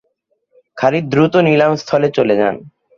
খালিদ দ্রুত নিলাম স্থলে চলে যান।